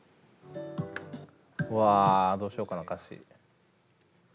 うわどうしようかな歌詞。